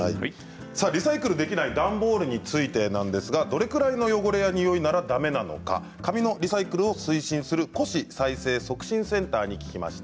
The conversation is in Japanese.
リサイクルできない段ボールについてなんですがどれぐらいの汚れやにおいならだめなのか紙のリサイクルを推進する古紙再生促進センターに聞きました。